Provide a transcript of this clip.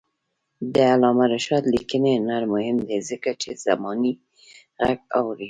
د علامه رشاد لیکنی هنر مهم دی ځکه چې زمانې غږ اوري.